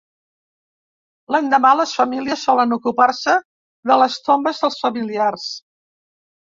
L'endemà les famílies solen ocupar-se de les tombes dels familiars.